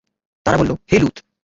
তারা বলল, হে লূত!